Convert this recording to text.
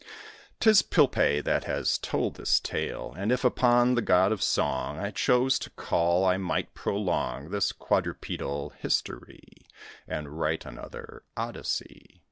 'Tis Pilpay that has told this tale; And if upon the god of song I chose to call, I might prolong This quadrupedal history, And write another Odyssey.